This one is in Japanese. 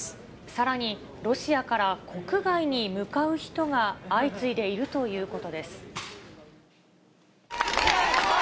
さらにロシアから国外に向かう人が相次いでいるということです。